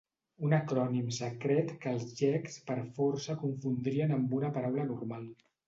Un acrònim secret que els llecs per força confondrien amb una paraula normal.